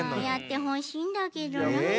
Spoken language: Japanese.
やってほしいんだけどな。